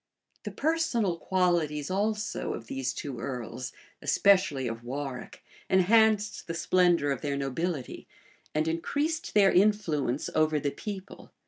The personal qualities also of these two earls, especially of Warwick enhanced the splendor of their nobility, and increased then influence over the people.